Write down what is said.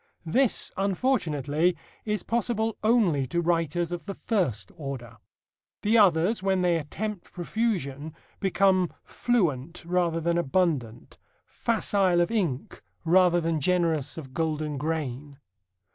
This, unfortunately, is possible only to writers of the first order. The others, when they attempt profusion, become fluent rather than abundant, facile of ink rather than generous of golden grain.